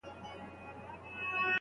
پیدا کړی چي خالق فاني جهان دی